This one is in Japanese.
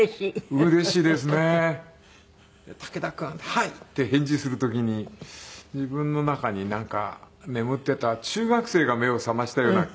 「はい」って返事する時に自分の中に眠っていた中学生が目を覚ましたような気が。